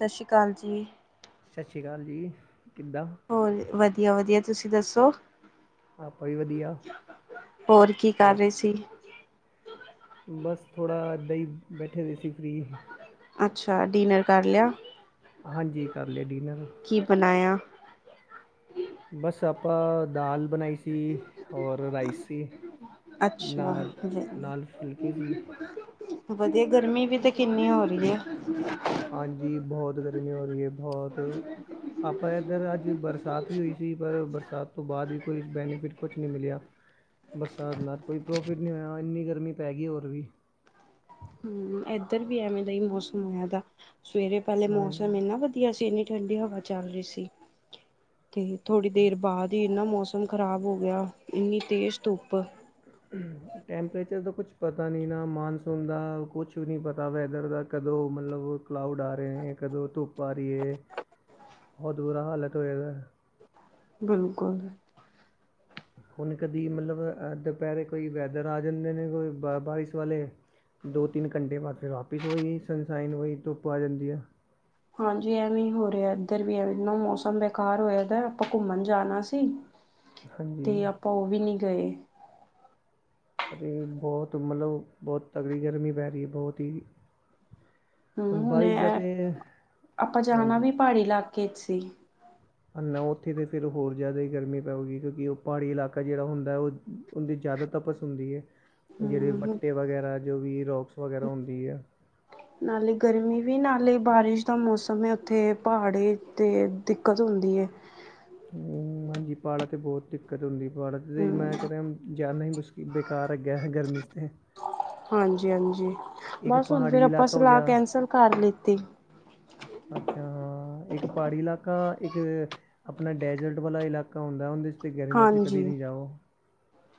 ਸ਼ ਸ਼੍ਰੀ ਕਾਲ ਜੀ ਸਾਸ ਸ਼੍ਰੀ ਕਾਲ ਜੀ ਕਿੱਦਾਂ? ਹੋਰ ਵਧੀਆ-ਵਧੀਆ ਤੁਸੀਂ ਦੱਸੋ ਆਪਾਂ ਵੀ ਵਧੀਆ ਹੋਰ ਕੀ ਕਰ ਰਹੇ ਸੀ? ਬਸ ਥੋੜਾ ਏਦਾਂ ਈ ਬੈਠੇ ਦੇ ਸੀ ਫ੍ਹੀ ਅੱਛਾ ਡਿਨਰ ਕਰ ਲਿਆ? ਹਾਂਜੀ ਕਰ ਲੇਆ ਡਿਨਰ। ਕੀ ਬਣਾਇਆ? ਬਸ ਆਪਾਂ ਦਾਲ ਬਣਾਈ ਸੀ। ਹੋਰ ਰਾਈਸ ਸੀ। ਅੱਛਾ, ਨਾਲ ਨਾਲ ਫੁਲਕੇ ਸੀ। ਵਧੀਆ ਗਰਮੀ ਵੀ ਤੇ ਕਿੰਨੀ ਹੋ ਰਹੀ ਐ। ਹਾਂਜੀ ਬੋਤ ਗਰਮੀ ਹੋ ਰਈ ਐ ਬੋਤ ਆਪਾਂ ਏਧਰ ਅੱਜ ਬਰਸਾਤ ਵੀ ਹੋਈ ਸੀ ਪਰ ਬਰਸਾਤ ਤੋਂ ਬਾਅਦ ਵੀ ਕੋਈ ਬੈਨੀਫਿਟ ਕੁਛ ਨਹੀਂ ਮਿਲਿਆ ਬਰਸਾਤ ਨਾਲ ਕੋਈ ਪ੍ਰੋਫਿਟ ਨੀ ਹੋਇਆ ਏਨੀ ਗਰਮੀ ਪੈ ਗਈ ਹੋਰ ਵੀ ਏਧਰ ਵੀ ਐਵੇਂ ਦਾ ਈ ਮੌਸਮ ਹੋਯਾ ਦਾ ਸਵੇਰੇ ਪੈਲਾ ਹਾਂਜੀ ਮੌਸਮ ਏਨਾ ਵਧੀਆ ਸੀ ਏਨੀ ਠੰਡੀ ਹਵਾ ਚੱਲ ਰਹੀ ਸੀ ਤੇ ਥੋੜੀ ਦੇਰ ਬਾਦ ਈ ਏਨਾਂ ਮੌਸਮ ਮੌਸਮ ਖ਼ਰਾਬ ਹੋ ਗਿਆ ਏਨੀ ਤੇਜ਼ ਧੁੱਪ ਹੂੰ। ਟੈਂਪਰੇਚਰ ਦਾ ਕੁਛ ਪਤਾ ਨੀ ਨਾ ਮਾਨਸੂਨ ਦਾ ਕੁਛ ਵੀ ਨੀ ਪਤਾ ਵੈਦਰ ਦਾ ਕਦੋਂ ਮਤਲਬ ਕਲਾਊਡ ਆ ਰਹੇ ਨੇ ਕਦੋਂ ਧੁੱਪ ਆ ਰਹੀ ਐ ਬੋਤ ਬੁਰਾ ਹਾਲਤ ਹੋਯਾ ਦਾ ਬਿਲਕੁਲ ਹੁਣ ਕਦੀ ਮਤਲਬ ਅ ਦੁਪੈਰੇ ਕੋਈ ਵੈਦਰ ਆ ਜਾਂਦੇ ਨੇ ਕੋਈ ਬਾਰਿਸ਼ ਵਾਲੇ ਦੋ-ਤਿੰਨ ਕੰਟੇ ਬਾਦ ਫਿਰ ਵਾਪਿਸ ਓਈ ਸਨਸਾਈਨ ਓਈ ਧੁੱਪ ਆ ਜਾਂਦੀ ਆ। ਹਾਂਜੀ ਐਵੇਂ ਈ ਹੋ ਰੈਆ ਏਧਰ ਵੀ ਐਵੇਂ ਮੌਸਮ ਬੇਕਾਰ ਹੋਯਾ ਦਾ ਆਪਾਂ ਕੁੰਮਣ ਜਾਣਾ ਸੀ ਹਾਂਜੀ ਤੇ ਆਪਾਂ ਓਵੀ ਨਈ ਗਏ। ਤੇ ਬੋਤ ਮਤਲਬ ਬੋਤ ਤਗੜੀ ਗਰਮੀ ਪੈ ਰੀ ਐ ਬਹੁਤ ਈ। ਹੂੰ ਹੁਣੇ ਐ ਆਪਾਂ ਜਾਣਾ ਹਾਂਜੀ ਵੀ ਪਾੜੀ ਇਲਾਕੇ ਚ ਸੀ। ਹਨਾ ਉੱਥੇ ਤੇ ਫਿਰ ਹੋਰ ਜਾਦੀ ਗਰਮੀ ਪਓਗੀ ਕਿਉਂਕਿ ਓ ਪਾੜੀ ਇਲਾਕਾ ਜੇੜਾ ਹੁੰਦਾ ਓ ਓਨਦੀ ਜਾਦਾ ਤਪਸ ਹੁੰਦੀ ਐ ਜੇੜੇ ਹੂੰ ਵੱਟੇ ਵਗੈਰਾ ਜੋ ਵੀ ਰੋਕਸ ਵਗੈਰਾ ਹੁੰਦੀ ਆ। [inaudible] ਨਾਲੇ ਗਰਮੀ ਵੀ ਨਾਲੇ ਬਾਰਿਸ਼ ਦਾ ਮੌਸਮ ਏ ਓਥੇ ਪਾੜੇ ਤੇ ਦਿੱਕਤ ਹੁੰਦੀ ਐ। ਓ ਹਾਂਜੀ ਪਾੜਾ ਤੇ ਬੋਤ ਦਿੱਕਤ ਹੁੰਦੀ ਪੜਾਂ ਤੇ ਹੂੰ ਮੈਂ ਕੈਨਾ ਜਾਨਾ ਈ ਮੁਸ਼ ਕਿ ਬੇਕਾਰ ਹੈਗਾਏ ਗਰਮੀ ਤੇ। ਹਾਂਜੀ-ਹਾਂਜੀ ਇੱਕ ਬਸ ਹੁਨ ਫੇਰ ਪਹਾੜੀ ਆਪਾਂ ਇਲਾਕਾ ਹੋ ਸਲਾਹ ਗਿਆ ਕੈਂਸਲ ਕਰ ਲਿੱਤੀ। ਅੱਛਾ ਏਕ ਪਾੜੀ ਇਲਾਕਾ, ਏਕ ਅ ਅਪਣਾ ਡੈਜ਼ਰਟ ਵਾਲਾ ਇਲਾਕਾ ਹੁੰਦਾ ਓਂਦੇ ਚ। ਗਰਮੀਆਂ ਚ ਕਦੇ ਹਾਂਜੀ ਨਈ ਜਾਓ।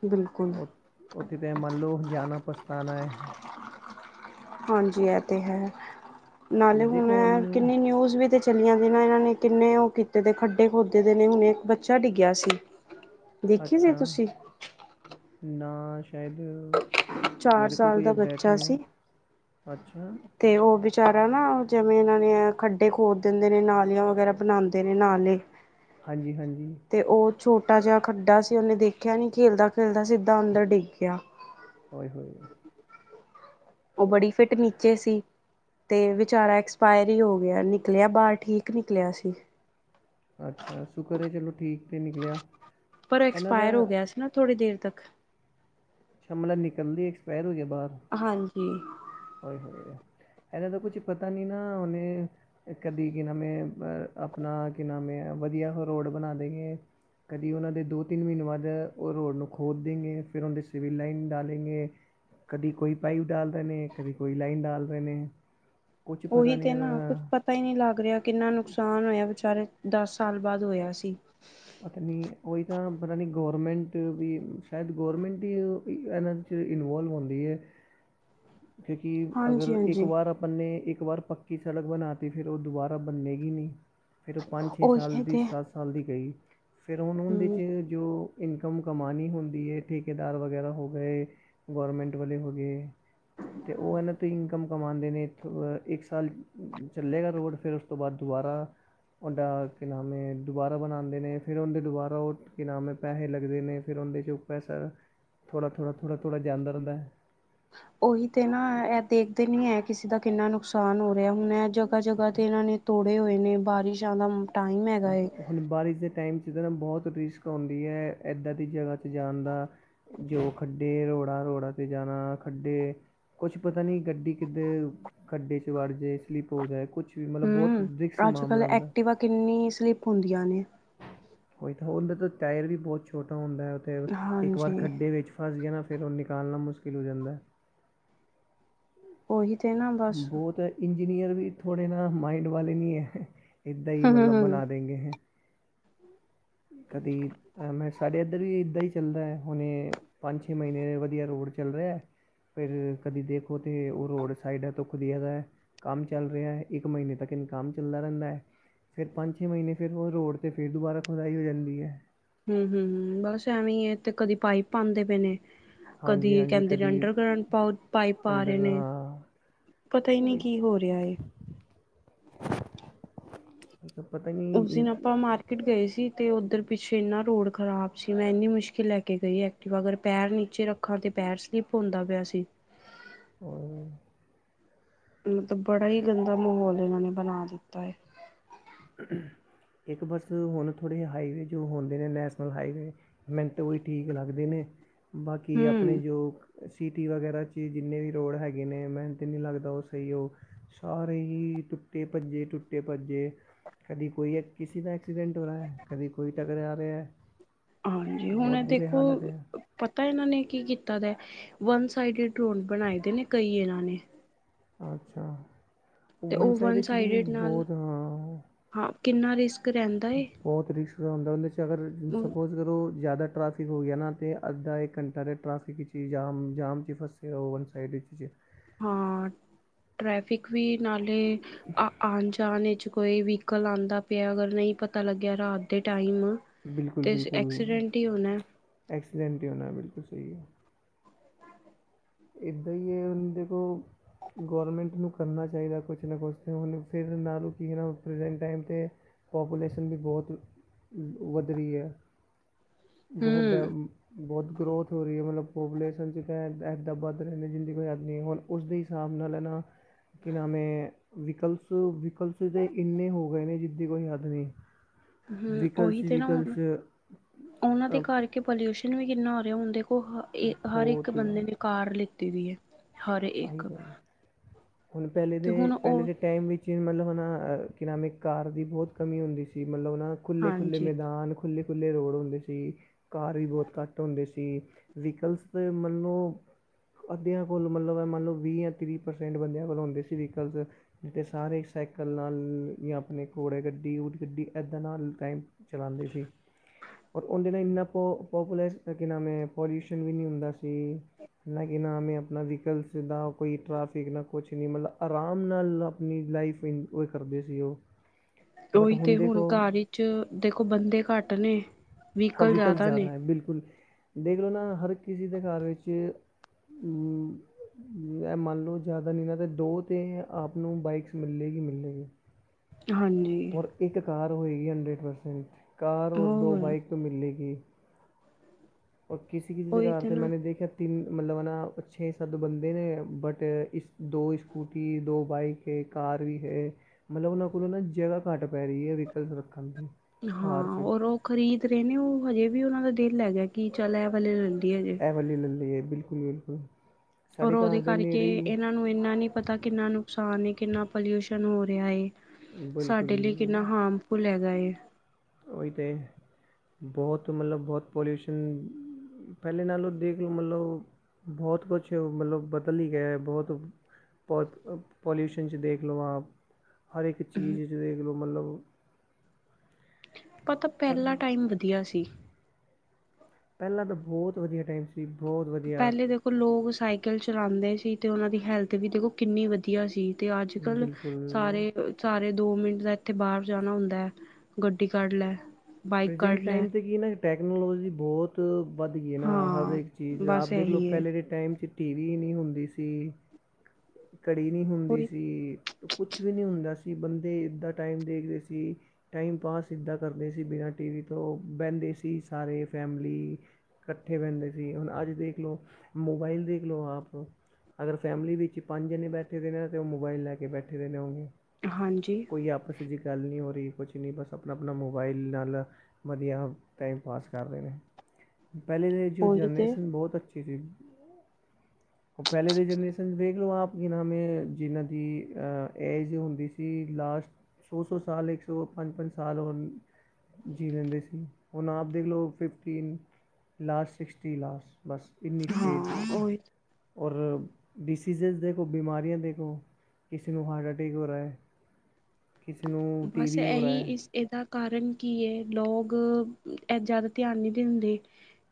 ਬਿਲਕੁਲ ਓਥੇ ਤੇ ਐ ਮਨ ਲੋ ਜਾਨਾ ਪਛਤਾਨਾ ਏ। ਹਾਂਜੀ ਇਹ ਤੇ ਹੈ ਨਾਲੇ ਹੁਨ ਦੇਖੋ ਐ ਹੁਣ ਕਿੰਨੀ ਨਿਊਜ਼ ਵੀ ਤੇ ਚ ਚਲੀਆਂ ਦੀ ਨਾ ਏਨਾਂ ਨੇ ਕਿੰਨੇ ਓ ਕੀਤੇ ਖੱਡੇ ਖੋਦੇ ਦੇ ਨੇ ਹੁਣੇ ਇੱਕ ਬੱਚਾ ਡਿੱਗਿਆ ਸੀ। ਦੇਖੀ ਸੀ ਅੱਛਾ ਤੁਸੀਂ ਨਾ ਸ਼ਾਇਦ ਚਾਰ ਮੇਰੇ ਕੋਲ ਸਾਲ ਕੋਈ ਦਾ ਅਪਡੇਟ ਨੀ ਬੱਚਾ ਹੋਯਾ ਸੀ ਅੱਛਾ। ਤੇ ਓ ਵਿਚਾਰਾ ਨਾ ਜਿਵੇਂ ਏਨਾਂ ਨੇ ਖੱਡੇ ਖੋਦ ਦਿੰਦੇ ਨੇ ਨਾਲੀਆਂ ਵਗੈਰਾ ਬਣਾਂਦੇ ਨੇ ਨਾਲੇ ਹਾਂਜੀ ਹਾਂਜੀ। ਤੇ ੳ ਛੋਟਾ ਜਾ ਖੱਡਾ ਸੀ, ੳਨੇ ਦੇਖੇਆ ਨੀ, ਖੇਲਦਾ-ਖੇਲਦਾ ਸਿੱਧਾ ਅੰਦਰ ਡਿੱਗ ਗਿਆ। ੳਏ-ਹੋਏ। ੳ ਬੜੀ ਫਿੱਟ ਨੀਚੇ ਸੀ। ਤੇ ਵੇਚਾਰਾ ਐਕਸਪਾਯਰ ਹੀ ਹੋ ਗਿਆ। ਨਿਕਲਆ ਬਾਰ ਠੀਕ ਨਿਕਲਆ ਸੀ। ਅੱਛਾ, ਸੁਕਰ ਏ ਚਲੋ ਠੀਕ ਤੇ ਨਿਕਲਆ ਪਰ ਏਨਾਂ ਦਾ ਐਕਸਪਾਇਰ ਹੋ ਗਿਆ ਸੀ ਨਾ ਥੋੜੀ ਦੇਰ ਤੱਕ ਅੱਛਾ ਮਤਲਬ ਨਿਕਲਦੇ ਐਕਸਪਾਯਰ ਹੋ ਗਿਆ ਬਾਰ। ਹਾਂਜੀ। ੳਏ ਹੋਏ, ਏਨਾਂ ਦਾ ਕੁਛ ਪਤਾ ਨੀ ਨਾ ਹੁਨ ਏ ਕਦੀ ਕੀ ਨਾਮ ਏ ਅਪਨਾ ਕੀ ਨਾਮ ਏ, ਵਧੀਆ ਰੋਡ ਬਨਾ ਦੇਈਏ। ਕਦੀ ੳਨਾਂ ਦੇ ਦੋ-ਤਿੰਨ ਮੀਨੇ ਬਾਦ ੳ ਰੋਡ ਨੂੰ ਖੋਦ ਦੇਨਗੇ, ਫੇਰ ੳਂੰਦੇ ਚ ਸੀਵਰ ਲਾਈਨ ਡਾਲੇਗੇ ਕਦੀ ਕੋਈ ਪਾਈਪ ਡਾਲ ਰੇ ਨੇ, ਕਦੇ ਕੋਈ ਲਾਈਨ ਡਾਲ ਰੇ ਨੇ। ਕੁਛ ਪਤਾ ੳਹੀ ਨਹੀਂ ਤੇ ਇਹਨਾਂ ਨਾ। ਕੁੱਛ ਦਾ ਪਤਾ ਹੀ ਨੀ ਲੱਗ ਰੇਆ, ਕਿੰਨਾ ਨੁਕਸਾਨ ਹੋਏਆ ਵੇਚਾਰੇ ਦਸ ਸਾਲ ਬਾਦ ਹੋਏਆ ਸੀ। ਪਤਾ ਨੀ ੳਈ ਤਾਂ ਪਤਾ ਨੀ ਗੌਰਮੈਂਟ ਵੀ ਸ਼ਾਏਦ ਗੌਰਮੈਂਟ ਈ ਏ ਏਨਾ ਚ ਇਨਵੋਲਵ ਹੁੰਦੀ ਏ, ਕਿੳਂਕਿ ਹਾਂਜੀ ਅਗਰ ਇੱਕ ਹਾਂਜੀ ਵਾਰ ਆ ਆਪਾਂ ਨੇ ਇੱਕ ਵਾਰ ਪੱਕੀ ਸੜਕ ਬਨਾ ਤੀ ਫੇਰ ੳ ਦੁਬਾਰਾ ਬਨੇਗੀ ਨੀ। ਫੇਰ ੳ ਪੰਜ -ਛੇ ਸਾਲ ਉਹੀ ਦੀ ਤੇ ਸੱਤ ਸਾਲ ਦੀ ਗਈ, ਫੇਰ ਹੁਨ ੳੰਦੇ ਹਮ ਚ ਜੋ ਇਨਕਮ ਕਮਾਨੀ ਹੁੰਦੀ ਏ, ਠੇਕੇਦਾਰ ਵਗੈਰਾ ਹੋ ਗਏ, ਗੌਰਮੈਂਟ ਵਾਲੇ ਹੋਗੇ ਤੇ ੳ ਏਨਾ ਤੇ ਇਨਕਮ ਕਮਾੰਦੇ ਨੇ ਏਥੋਂ, ਇੱਕ ਸਾਲ ਚੱਲੇਗਾ ਰੋਡ ਫੇਰ ੳਸ ੳਸ ਤੋਂ ਬਾਦ ਦੁਬਾਰਾ ਤੁਆਡਾ ਕੀ ਨਾਮ ਏ ਦੁਬਾਰਾ ਬਨਾਦੇ ਨੇ ਫੇਰ ਔੰਦੇ ਦੁਬਾਰਾ ੳ ਕੀ ਨਾਮ ਏ ਪੈਸੇ ਲੱਗਦੇ ਨੇ ਫੇਰ ਔੰਦੇ ਚ ੳ ਪੈਸਾ ਥੋੜਾ, ਥੋੜਾ, ਥੋੜਾ, ਥੋੜਾ ਜਾਂਦਾ ਰੈੰਦਾ ਏ। ੳਹੀ ਤੇ ਨਾ ਏ ਦੇਖਦੇ ਨੀ ਹੈ ਕਿਸੇ ਦਾ ਕਿੰਨਾ ਨੁਕਸਾਨ ਹੋ ਰੈਆ, ਹੁਨ ਏ ਜਗਾ -ਜਗਾ ਤੇ ਏਨਾਂ ਨੇ ਤੋੜੇ ਹੋਏ ਨੇ ਬਾਰਿਸ਼ਾਂ ਦਾ ਟਾਈਮ ਹੈਗਾ ਏ ਹੁਨ ਬਾਰਿਸ਼ ਦੇ ਟਾਈਮ ਚ ਤਾਂ ਨਾ ਬੋਤ ਰਿਸਕ ਹੁੰਦੀ ਏ ਏਦਾਂ ਦੀ ਜਗਾ ਚ ਜਾਨ ਦਾ। ਜੋ ਖੱਡੇ ਰੋੜਾਂ-ਰੋੜਾਂ ਤੇ ਜਾਨਾ, ਖੱਡੇ ਕੁਛ ਪਤਾ ਨੀ ਗੱਡੀ ਕਿੱਦੇ ਖੱਡੇ ਚ ਵੜ ਜੇ, ਸਲਿੱਪ ਹੋ ਜਾਏ ਕੁਛ ਵੀ ਮਤਲਬ ਬੋਤ ਹੂੰ ਰਿਕਸੀ ਅੱਜ ਕੱਲ ਮਾਮਲਾ ਹੁੰਦਾ। ਐਕਟਿਵਾ ਕਿੰਨੀ ਸਲਿੱਪ ਹੁੰਦੀਆਂ ਨੇ। ੳਈ ਤਾਂ ੳਦਾ ਤਾਂ ਟੈਰ ਵੀ ਬੋਤ ਛੋਟਾ ਹੁੰਦਾ ਏ, ੳ ਤੇ ਇੱਕ ਵਾਰ ਹਾਂਜੀ ਖੱਡੇ ਵਿੱਚ ਫਸ ਗਿਆ ਨਾ ਫੇਰ ੳ ਨਿਕਾਲਨਾ ਮੁਸ਼ਕਿਲ ਹੋ ਜਾਂਦਾ। ੳਹੀ ਤੇ ਨਾ ਬਸ ਬੋਤ ਇੰਜੀਨੀਅਰ ਵੀ ਥੋੜੇ ਨਾ ਮਾਈੰਡ ਵਾਲੇ ਨੀ ਹੈ। ਏਦਾਂ ਈ ਹੂੰ ਹੂੰ ਮਤਲਬ ਹੂੰ ਬਨਾ ਦੇਂਗੇ, ਕਦੀ ਅ ਮੈਂ ਸਾਡੇ ਏਧਰ ਵੀ ਇਦਾਂ ਈ ਚੱਲਦਾ ਏ। ਹੁਨੇ ਪੰਜ-ਛੇ ਮਹੀਨੇ ਵਧੀਆ ਰੋੜ ਚੱਲ ਰੈਆ ਏ ਫੇਰ ਕਦੀ ਦੇਖੋ ਤੇ ੳ ਰੋੜ ਸਾਈਡਾਂ ਤੋ ਖੁਦੀਆ ਦਾ, ਕੰਮ ਚੱਲ ਰੇਆ ਏ, ਇੱਕ ਮੀਨੇ ਤਿਕਨ ਕੰਮ ਚੱਲਦਾ ਰੈੰਦਾ ਏ ਫੇਰ ਪੰਜ- ਛੇ, ਮੀਨੇ ਫੇਰ ੳ ਰੋਡ ਤੇ ਫੇਰ ਦੁਬਾਰਾ ਖੁਦਾਈ ਹੋ ਜਾਂਦੀ ਏ। ਹੂੰ ਹੂੰ ਹੂੰ ਬਸ ਐਵੇਂ ਈ ਏ ਏਥੇ, ਕਦੀ ਪਾਈਪ ਪਾਂਦੇ ਪਏ ਨੇ ਹਾਂਜੀ ਕਦੀ ਹਾਂਜੀ ਕੈੰਦੇ ਨੇ ਕਦੀ ਅੰਡਰਗ੍ਰਉਂਡ ਪੋ ਪਾਈਪ ਪਾ ਰਏ ਅੰਡਰ ਨੇ। ਹਾਂ ਪਤਾ ਈ ਨੀ ਉਹੀ ਕੀ ਹੋ ਰਿਆ ਏ। ਪਤਾ ਈ ਉਸ ਦਿਨ ਆਪਾਂ ਮਾਰ ਕੀਟ ਗਏ ਸੀ। ਤੇ ਓਧਰ ਪਿੱਛੇ ਇੰਨਾ ਰੋਡ ਖ਼ਰਾਬ ਸੀ ਮੈਂ ਇੰਨੀ ਮੁਸ਼ਕਿਲ ਲੈ ਕੇ ਗਈ ਐ। ਕੀ ਅਗਰ ਪੈਰ ਨੀਚੇ ਰਖਾਂ ਤੇ ਪੈਰ ਸਲਿਪ ਹੁੰਦਾ ਪਿਆ ਸੀ। ਹੋਰ ਹੁਨ ਤੇ ਬੜਾ ਈ ਗੰਦਾ ਮਹੌਲ ਏਹਨਾਂ ਨੇ ਬਣਾ ਦਿੱਤਾ ਐ। ਇੱਕ ਬਸ ਹੁਨ ਥੋੜ੍ਹੇ ਹਾਈਵੇ ਜੋ ਹੁੰਦੇ ਨੇ ਨੈਸ਼ਨਲ ਹਾਈਵੇ ਮੈਨ ਤੇ ਓਹ ਈ ਠੀਕ ਲੱਗਦੇ ਨੇ, ਬਾਕੀ ਆਪਨੇ ਹੂੰ ਜੋ ਸਿਟੀ ਵਗੈਰਾ 'ਚ ਜਿੰਨੇ ਵੀ ਰੋਡ ਹੈਗੇ ਨੇ ਮੈਨ ਤੇ ਨਈ ਲੱਗਦਾ ਓਹ ਸਹੀ ਓ ਸਾਰੇ ਈ ਟੁੱਟੇ-ਪਜੇ, ਟੁੱਟੇ-ਪਜੇ ਕਦੀ ਕੋਈ ਐਕ ਕਿਸੀ ਦਾ ਐਕਸੀਡੈਂਟ ਹੋ ਰਾ ਐ ਕਦੀ ਕੋਈ ਟਕਰਾ ਰਿਆ ਹੈ। ਹਾਂਜੀ। ਹੁਨ ਬਹੁਤ ਐ ਬੁਰੇ ਦੇਖੋ ਹਾਲਤ ਹੈ ਪਤਾ ਏਹਨਾਂ ਨੇ ਕੀ ਕੀਤਾ ਦਾ ਵਨ ਸਾਈਡਡ ਰੋਡ ਬਣਾਏ ਦੇ ਨੇ ਕਈ ਏਹਨਾਂ ਨੇ। ਅੱਛਾ। ਓ ਤੇ ਵਨ ਉਹ ਸਾਈਡ ਇਚ ਵੀ ਸਾਈਡਡ ਨਾਲ ਬਹੁਤ ਹਾਂ ਹਾਂ, ਕਿੰਨਾ ਰਿਸਕ ਰਹਿੰਦਾ ਏ। ਬਹੋਤ ਰਿਸਕ ਦਾ ਹੁੰਦਾ ਇੰਦੇ ਚ ਅਗਰ, ਸਪੋਜ਼ ਕਰੋ ਜਿਆਦਾ ਟਰੈਫਿਕ ਹੋ ਗਿਆ ਨਾ ਤੇ ਅੱਧਾ-ਇੱਕ ਕੰਟਾ ਦੇ ਟਰੈਫਿਕ ਇਚ ਕੀ ਜਾਮ ਜਾਮ 'ਚ ਫਸੇ ਹੋ ਵਨ ਸਾਈਡੀਡ ਇੱਚ ਹਾਂ, ਟ੍ਰੈਫਿਕ ਵੀ ਨਾਲੇ ਆ ਆਨ ਜਾਨ ਇੱਚ ਕੋਈ ਵਹੀਕਲ ਆਂਦਾ ਪਿਆ ਅਗਰ ਨਹੀਂ ਪਤਾ ਲੱਗਿਆ ਰਾਤ ਦੇ ਟਾਈਮ ਤੇ ਐਕਸੀਡੈਂਟ ਈ ਹੋਨੈ। ਐਕਸੀਡੈਂਟ ਈ ਹੋਇਐ, ਬਿਲਕੁਲ ਸਈ ਐ। ਇਦਾਂ ਈ ਐ, ਹੁਨ ਦੇਖੋ ਗੌਰਮੈਂਟ ਨੂੰ ਕਰਨਾ ਚਾਈਦਾ ਕੁਛ ਨਾ ਕੁਛ ਤਾਂ ਹੁਨ ਫਿਰ ਨਾਲੋਂ ਕੀ ਹੈ ਨਾ ਪ੍ਰੈਜੈਂਟ ਟਾਈਮ ਤੇ ਪਾਪੂਲੇਸ਼ਨ ਵੀ ਬੋਤ ਵਦ ਰਈ ਐ। ਬਹੋਤ ਡਰ ਹੂੰ। ਬਹੋਤ ਗਰੋਥ ਹੋ ਰਈ ਐ ਮਤਲਬ ਪਾਪੂਲੇਸ਼ਨ 'ਚ [unintelligible] ਦਾਂ ਵੱਧ ਰਹਿੰਦੇ ਜਿੰਦੀ ਕੋਈ ਆਦਮੀ ਹੋਨ ਉਸ ਦੇ ਹਿਸਾਬ ਨਾਲ, ਹੈਨਾ। ਕੀ ਨਾਮ ਏ ਵਿਕਲਸ ਵਿਕਲਸ ਤੇ ਇੰਨੇ ਹੋ ਗਏ ਨੇ ਜਿਦੀ ਕੋਈ ਹੱਦ ਨਈ। ਹੂੰ, ਓਹੀ ਤੇ ਨਾ। ਓਹਨਾਂ ਦੇ ਘਰ ਕਿ ਪਲਿਊਸ਼ਨ ਵੀ ਕਿੰਨਾ ਹੋ ਰਿਆ। ਹੁਨ ਦੇਖੋ ਹਰ ਇੱਕ ਬਹੁਤ ਬੰਦੇ ਨੇ ਕਾਰ ਲਿੱਤੀ ਵੀ ਐ। ਆਈ ਹੋ, ਹੁਨ ਪੈਲੇ ਤੇ ਦੇ ਹੁਣ ਪੈਲੇ ਉਹ ਦੇ ਟੈਮ ਵਿੱਚ ਮਲਬ ਨਾ ਕਿ ਨਾਮਂ ਏ, ਕਾਰ ਦੀ ਬੋਤ ਕਮੀ ਹੁੰਦੀ ਸੀ ਮਲਬ ਨਾ ਖੁੱਲ੍ਹੇ-ਖੁੱਲ੍ਹੇ ਹਾਂਜੀ ਮੇਦਾਨ, ਖੁੱਲ੍ਹੇ-ਖੁੱਲ੍ਹੇ ਰੋਡ ਹੁੰਦੇ ਸੀ। ਕਾਰ ਵੀ ਬੋਤ ਘੱਟ ਹੁੰਦੀ ਸੀ। ਵੀਕਲਸ ਵੀ ਮੰਨੋ ਅੱਦੇਆਂ ਹੁਨ ਮਲਬ ਐ ਮੰਨ ਲੋ ਵੀ ਯਾ ਤਰੀ ਪ੍ਰਸੈਂਟ ਬੰਦਿਆਂ ਕੋਲ ਹੁੰਦੇ ਸੀ ਵੀਕਲਸ। ਨਈ ਤੇ ਸਾਰੇ ਇਕ ਸੈਕਲ ਨਾਲ ਯਾ ਆਪਨੇ ਘੋੜੇ ਗੱਡੀ, ਊਟ ਗੱਡੀ, ਐਦਾਂ ਨਾਲ ਟੈਮ ਚਲਾਂਦੇ ਸੀ ਔਰ ਓਂਦੇ ਨਾਲ ਇੰਨਾ ਪੋ ਪੋਪੂਲਸ ਕੀ ਨਾਮ ਏ ਪੋਲਿਊਸ਼ਨ ਵੀ ਨਈ ਹੁੰਦਾ ਸੀ। ਲੈ ਕੀ ਨਾਮ ਏ ਅਬ ਨਾ ਵੀਕਲ ਸੀ, ਨਾ ਕੋਈ ਟ੍ਰੈਫਿਕ, ਨਾ ਕੁਛ ਵੀ। ਮਲਬ ਅਰਾਮ ਨਾਲ ਆਪਨੀ ਲਾਈਫ ਇੰ ਓਏ ਕਰਦੇ ਸੀ ਓਹ। ਤੇ ਓਈ ਤੇ, ਹੁਨ ਘਰ ਇਚ ਦੇਖੋ ਬੰਦੇ ਘੱਟ ਨੇ ਹਾਂ, ਵਹੀਕਲ ਵੀਕਲਸ ਜ਼ਿਆਦਾ ਨੇ ਜਿਆਦਾ ਐ, ਬਿਲਕੁਲ! ਦੇਖ ਲੋ ਨਾ ਹਰ ਕਿਸੀ ਦੇ ਘਰ ਵਿੱਚ ਹੂੰ ਐ ਮੰਨ ਲੋ ਜਾਦਾ ਨੀ ਐ ਤੇ ਦੋ ਤੇ ਆਪ ਨੂੰ ਬਾਈਕਸ ਮਿਲੇਗੀ-ਮਿਲੇਗੀ। ਹਾਂਜੀ। ਇੱਕ ਕਾਰ ਹੋਏਗੀ ਹੰਡਰੇਡ ਪਰਸੈਂਟ। ਕਾਰ ਹੋਰ ਦੋ ਬਾਈਕ ਤੇ ਮਿਲੇਗੀ। ਹੋਰ ਕਿਸੀ-ਕਿਸੀ ਦੇ ਉਹੀ ਘਰ ਤੇ ਨਾ ਮੈਨੇ ਦੇਖਿਐ ਮਤਲਬ ਨਾ ਛੇ-ਸੱਤ ਬੰਦੇ ਨੇ, ਬਟ ਇਸ ਦੋ ਸਕੂਟੀ, ਦੋ ਬਾਈਕ ਤੇ ਕਾਰ ਵੀ ਹੈ। ਮਤਲਬ ਉਨ੍ਹਾਂ ਕੋਲੋਂ ਨਾ ਜਗ੍ਹਾ ਘੱਟ ਪੈ ਰੀ ਐ, ਵੀਕਲਸ ਰੱਖਣ ਦੀ। ਕਾਰ 'ਚ ਹਾਂ, ਔਰ ਓ ਖਰੀਦ ਰਹੇ ਨੇ ਓ ਹਜੇ ਵੀ ਉਨ੍ਹਾਂ ਦਾ ਦਿਲ ਹੈਗਾ ਕਿ ਚੱਲ ਐ ਵਾਲੇ ਲਲੀਏ ਹਜੇ ਹਾਂਜੀ, ਲੱਲ ਲੀਏ। ਬਿਲਕੁਲ-ਬਿਲਕੁਲ, ਔਰ ਸਾਡੇ ਘਰ ਉਹਦੇ ਦੇ ਕਰਕੇ ਨੇੜੇ ਈ ਏ ਇਹਨਾਂ ਨੂੰ ਇਨਾਂ ਨੀ ਪਤਾ ਕਿੰਨਾ ਨੁਕਸਾਨ ਏ, ਕਿੰਨਾ ਪੋਲਿਊਸ਼ਨ ਹੋ ਰਿਆ ਏ। ਸਾਡੇ ਬਿਲਕੁਲ ਲਈ ਕਿੰਨਾ ਹਾਰਮਫੁਲ ਹੈਗਾ ਏ। ਓਹੀ ਤੇ ਬੋਤ ਮਤਲਬ ਬੋਤ ਪੋਲਿਊਸ਼ਨ ਪੈਲੇ ਨਾਲੋ ਦੇਖ ਲੋ, ਮਤਲਬ ਬਹੁਤ ਕੁਛ, ਮਤਲਬ ਬਦਲ ਈ ਗਿਆ ਏ। ਬਹੁਤ ਪ ਪੋਲਿਊਸ਼ਨ ਚ ਦੇਖ ਲੋ ਆਪ, ਹਰ ਇਕ ਚੀਜ ਚ ਦੇਖ ਲੋ ਮਤਲਬ ਪਤਾ ਪਰ ਪਹਿਲਾ ਟਾਈਮ ਵਧੀਆ ਸੀ। ਪਹਿਲਾ ਤਾਂ ਬੋਤ ਵਧੀਆ ਟਾਈਮ ਸੀ, ਬੋਤ ਵਧੀਆ। ਪਹਿਲੇ ਦੇਖੋ ਲੋਕ ਸਾਈਕਲ ਚਲਾਂਦੇ ਸੀ ਤੇ ਉਹਨਾਂ ਦੀ ਹੈਲਥ ਵੀ ਦੇਖੋ ਕਿੰਨੀ ਵਧੀਆ ਸੀ। ਤੇ ਅੱਜ-ਕਲ ਬਿਲਕੁਲ ਸਾਰੇ ਅ ਸਾਰੇ ਦੋ ਮਿੰਟ ਦਾ ਇਥੇ ਬਾਰ ਜਾਣਾ ਹੁੰਦਾ ਐ। ਗੱਡੀ ਕਢ ਲੈ। ਬਾਈਕ ਕੱਢ ਪ੍ਰਜੈਂਟ ਲੈ ਟਾਈਮ ਤੇ ਕੀ ਨਾਂ ਟੈਕਨੋਲੋਜੀ ਬੋਤ ਵੱਧ ਗਈ ਐ ਨਾ ਹਰ ਹਾਂ ਇਕ ਚੀਜ ਆਪ ਬਸ ਦੇਖ ਇਹੀ ਲੋ ਹੈ ਪਹਿਲੇ ਦੇ ਟਾਈਮ ਚ ਟੀ ਵੀ ਨੀਂ ਹੁੰਦੀ ਸੀ, ਘੜੀ ਨੀਂ ਹੁੰਦੀ ਕੋਈ ਸੀ। ਕੁਛ ਵੀ ਨ੍ਹੀਂ ਹੁੰਦਾ ਸੀ, ਬੰਦੇ ਇਦਾਂ ਟਾਈਮ ਦੇਖਦੇ ਸੀ। ਟਾਈਮ ਪਾਸ ਇਦਾਂ ਕਰਦੇ ਸੀ। ਸੀ ਬਿਨਾਂ ਟੀ ਵੀ ਤੋਂ ਬੈੰਦੇ ਸੀ ਸਾਰੇ ਫੈਮਲੀ ਕੱਠੇ ਬੈਂਦੇ ਸੀ ਹੁਣ ਅੱਜ ਦੇਖ ਲੋ, ਮੋਬਾਈਲ ਦੇਖ ਲੋ ਆਪ ਅਗਰ ਫੈਮਿਲੀ ਵਿਚ ਪੰਜ ਜਣੇ ਬੈਠੇ ਦੇ ਨੇ ਤਾਂ ਓ ਮੋਬਾਈਲ ਲੈ ਕੇ ਬੈਠੇ ਦੇ ਨੇ ਓ ਹਾਂਜੀ। ਕੋਈ ਆਪਸ ਚ ਗੱਲ ਨੀਂ ਹੋ ਰਹੀ ਕੁਛ ਨ੍ਹੀਂ, ਬਸ ਆਪਣਾ-ਆਪਣਾ ਮੋ ਮੋਬਾਈਲ ਨਾਲ ਵਧੀਆ ਟਾਈਮ ਪਾਸ ਕਰ ਰਏ ਨੇ, ਪਹਿਲੇ ਦੇ ਜੋ ਉਹੀ ਤੇ ਜਨਰੇਸ਼ਨ ਬਹੁਤ ਅੱਛੀ ਸੀ। ਪਹਿਲੇ ਦੇ ਜਨਰੇਸ਼ਨ ਦੇਖ ਲੋ ਆਪ ਜਿਨ੍ਹਾਂ ਨੇ, ਜਿਨ੍ਹਾਂ ਦੀ ਅ ਏਜ ਹੁੰਦੀ ਸੀ ਲਾਸਟ ਸੋ-ਸੋ ਸਾਲ, ਇਕ ਸੌ ਪੰਜ-ਪੰਜ ਸਾਲ ਹੁਣ ਜੀਅ ਲੇਂਦੇ ਸੀ, ਹੁਣ ਆਪ ਦੇਖ ਲੋ ਫਿਫਟੀਨ ਲਾਸਟ, ਸਿਕਸਟੀ ਲਾਸਟ ਬਸ ਇਨੀਂ ਸਟੇਜ ਹਾਂ ਉਹੀ ਔਰ ਡਿਸੀਜ਼ਜ਼ ਦੇਖੋ, ਬਿਮਾਰੀਆਂ ਦੇਖੋ ਕਿਸੇ ਨੂੰ ਹਾਰਟ ਅਟੈਕ ਹੋ ਰਾ ਐ। ਕਿਸੇ ਨੂੰ ਟੀ ਬਸ ਵੀ ਹੋ ਰਾ ਇਹੀ ਐ। ਇਸ ਇਹਦਾ ਕਾਰਨ ਕੀ ਐ ਲੋਗ ਇਹ ਜਿਆਦਾ ਧਿਆਨ ਨੀਂ ਦਿੰਦੇ।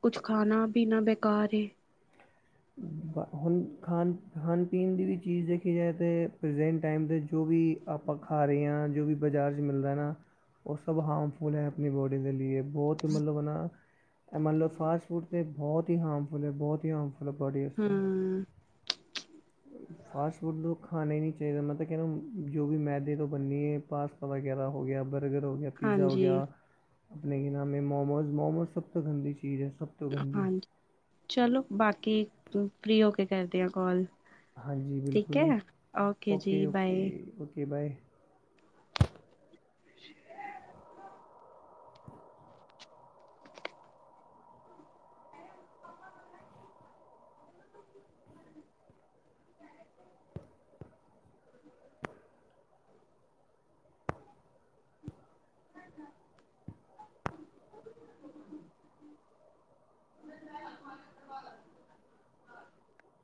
ਕੁੱਛ ਖਾਣਾ-ਪੀਨਾ ਬੇਕਾਰ ਏ। ਹੁਣ ਖਾਣ, ਖਾਣ-ਪੀਣ ਦੀ ਵੀ ਚੀਜ਼ ਦੇਖੀ ਜਾਏ ਤੇ ਪ੍ਰਜੈਂਟ ਟਾਈਮ ਦੇ ਜੋ ਵੀ ਆਪਾਂ ਖਾ ਰੇ ਆਂ ਜੋ ਵੀ ਬਾਜ਼ਾਰ ਚ ਮਿਲਦਾ ਨਾ ਉਹ ਸਭ ਹਾਰਮਫੁਲ ਹੈ ਆਪਣੀ ਬੋਡੀ ਦੇ ਲਈ ਏ ਬੋਤ ਮਤਲਬ ਨਾ ਮੰਨ ਲਓ ਫਾਸਟ ਫੂਡ ਤੇ ਬਹੁਤ ਹੀ ਹਾਰਮਫੁਲ ਐ, ਬਹੁਤ ਹੀ ਹਾਰਮਫੁਲ ਫੁਲ ਬੋਡੀ ਵਾਸਤੇ ਹਮ ਫਾਸਟ ਫੂਡ ਖਾਣਾ ਈ ਨ੍ਹੀਂ ਚਾਈਦਾ। ਮੈਂ ਤੇ ਕੈਅ ਰੈ ਜੋ ਵੀ ਮੈਦੇ ਤੋ ਬੰਨੀ ਏ, ਪਾਸਤਾ ਵਗੈਰਾ ਹੋ ਗਿਆ, ਬਰਗਰ ਹੋ ਗਿਆ ਪੀਜ਼ਾ ਹੋ ਹਾਂਜੀ ਗਿਆ ਆਪਣੇ ਕੀ ਨਾਮ ਐ! ਮੋਮੋਜ਼, ਮੋਮੋਜ਼ ਸਭ ਤੋਂ ਗੰਦੀ ਚੀਜ ਐ ਸਭ ਤੋ ਹਾਂਜੀ ਚਲੋ, ਬਾਕੀ ਫਰੀ ਹੋ ਕੇ ਕਰਦੇ ਆਂ ਕੋਲ ਹਾਂਜੀ ਬਿਲਕੁਲ ਜੀ। ਜੀ okay, okay, bye okay bye. [inaudible] [inaudible] [inaudible]